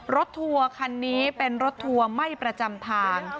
ทัวร์คันนี้เป็นรถทัวร์ไม่ประจำทาง